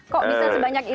kok bisa sebanyak itu